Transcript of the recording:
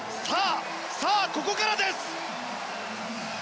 さあ、ここからです！